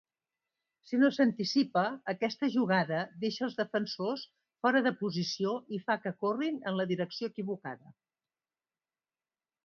Si no s'anticipa, aquesta jugada deixa els defensors fora de posició i fa que corrin en la direcció equivocada.